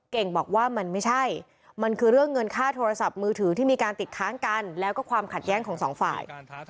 เก่งบอกว่ามันไม่ใช่มันคือเรื่องเงินค่าโทรศัพท์มือถือที่มีการติดค้างกันแล้วก็ความขัดแย้งของสองฝ่าย